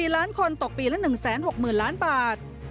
ล้านคนตกปีละ๑๖๐๐๐ล้านบาท